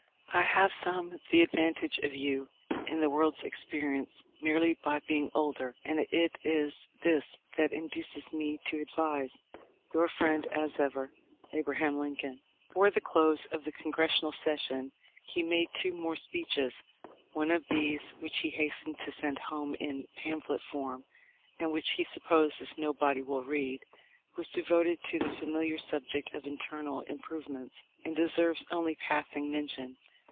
I have some the advantage of you in the world's experience merely by being older; and it is this that induces me to advise. "Your friend, as ever, "A. Lincoln." Before the close of the Congressional session he made two more speeches. One of these, which he hastened to send home in pamphlet form, and which he supposes "nobody will read," was devoted to the familiar subject of internal improvements, and deserves only passing mention.